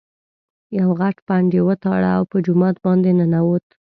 یو غټ پنډ یې وتاړه او په جومات باندې ننوت.